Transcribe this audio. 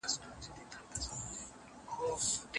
شاګرد د ليکني مسوده څنګه جوړوي؟